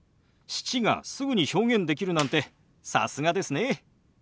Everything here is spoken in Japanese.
「７」がすぐに表現できるなんてさすがですね。